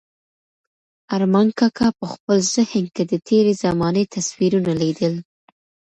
ارمان کاکا په خپل ذهن کې د تېرې زمانې تصویرونه لیدل.